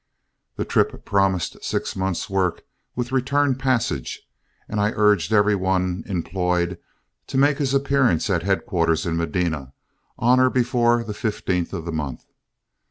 The trip promised six months' work with return passage, and I urged every one employed to make his appearance at headquarters, in Medina, on or before the 15th of the month.